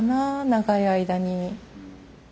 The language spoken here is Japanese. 長い間に。